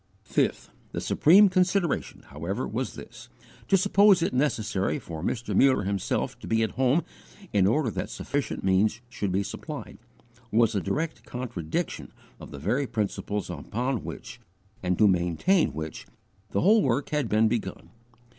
5. The supreme consideration, however, was this: To suppose it necessary for Mr. Muller himself to be at home in order that sufficient means should be supplied, was a direct contradiction of the very principles upon which, and to maintain which, the whole work had been begun.